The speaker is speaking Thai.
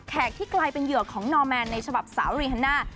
ที่กลายเป็นเหยื่อของนอร์แมนในฉบับสาวรีฮันน่า